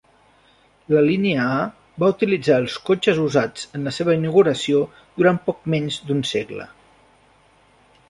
La línia A va utilitzar els cotxes usats en la seva inauguració durant poc menys d'un segle.